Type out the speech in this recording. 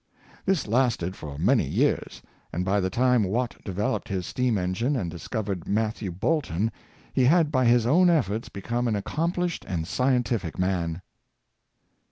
This lasted for many years; and by the time Watt developed his steam engine and discovered Mathew Boulton, he had by his own efforts, become an accomplished and scientific man.